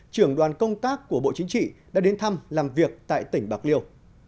trưởng đoàn công tác của bộ chính trị đã đến thăm làm việc tại tỉnh bạc liêu